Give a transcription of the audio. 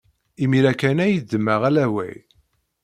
Imir-a kan ay ddmeɣ alaway.